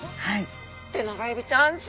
テナガエビちゃんす